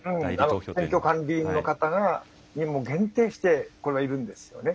選挙管理委員の方に限定して、これはいるんですね。